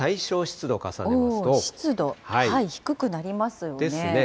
湿度、はい、低くなりますよですね。